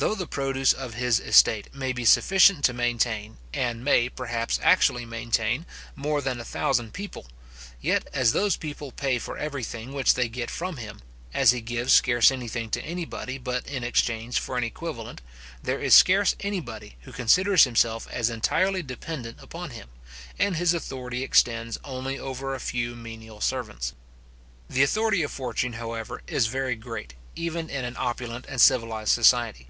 Though the produce of his estate may be sufficient to maintain, and may, perhaps, actually maintain, more than a thousand people, yet, as those people pay for every thing which they get from him, as he gives scarce any thing to any body but in exchange for an equivalent, there is scarce anybody who considers himself as entirely dependent upon him, and his authority extends only over a few menial servants. The authority of fortune, however, is very great, even in an opulent and civilized society.